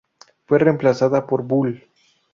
Fue reemplazada por "Bull.